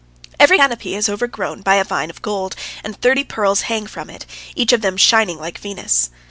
Every canopy is overgrown by a vine of gold, and thirty pearls hang from it, each of them shining like Venus.